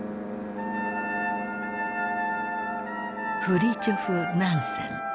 フリチョフ・ナンセン。